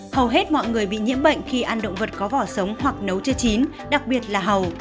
hầu hết mọi người bị nhiễm bệnh khi ăn động vật có vỏ sống hoặc nấu chưa chín đặc biệt là hầu